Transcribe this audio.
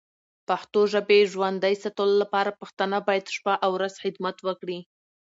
پښتو ژبی ژوندی ساتلو لپاره پښتانه باید شپه او ورځ خدمت وکړې.